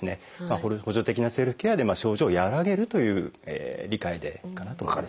補助的なセルフケアで症状を和らげるという理解でいいかなと思います。